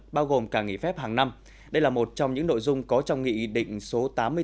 bao gồm cả nghỉ phép hàng năm đây là một trong những nội dung có trong nghị định số tám mươi bốn